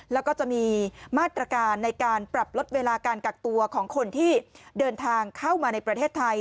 แล้วก็จะมีมาตรการในการปรับลดเวลาการกักตัวของคนที่เดินทางเข้ามาในประเทศไทย